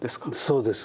そうです。